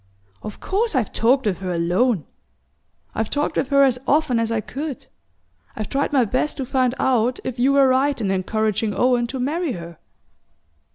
Of course I've talked with her alone I've talked with her as often as I could. I've tried my best to find out if you were right in encouraging Owen to marry her."